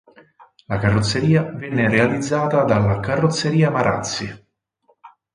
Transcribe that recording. La carrozzeria venne realizzata dalla Carrozzeria Marazzi.